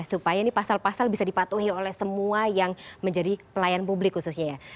supaya ini pasal pasal bisa dipatuhi oleh semua yang menjadi pelayan publik khususnya ya